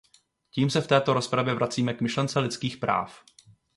Tím se v této rozpravě vracíme k myšlence lidských práv.